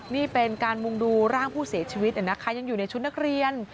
นี่เป็นการมุ่งดูร่างผู้เสียชีวิตนะคะยังอยู่ในชุดนักเรียน